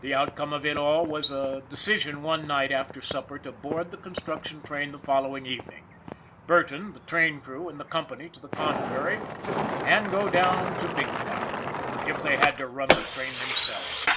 The outcome of it all was a decision one night after supper to board the construc tion train the following evening, Burton, the train crew and the company to the contrary, and go down to Big Cloud if they had to run the train themselves.